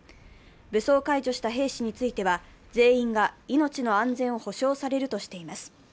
武装解除した兵士については、全員が命の安全を保証されるとしています。